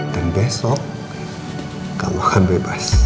dan besok kamu akan bebas